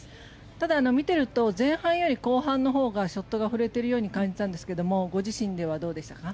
ただ、見ていると前半より後半のほうがショットが振れてるように感じたんですがご自身ではどうでしたか？